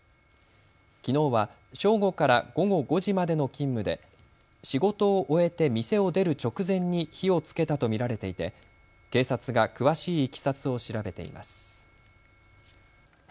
きのうは正午から午後５時までの勤務で仕事を終えて店を出る直前に火をつけたと見られていて警察が詳しいいきさつを調べています。